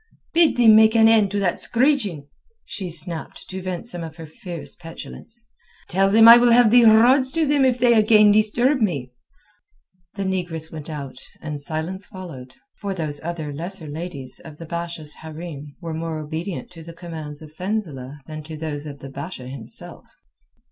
"Bid them make an end of that screeching," she snapped to vent some of her fierce petulance. "Tell them I will have the rods to them if they again disturb me." The negress went out, and silence followed, for those other lesser ladies of the Basha's hareem were more obedient to the commands of Fenzileh than to those of the Basha himself.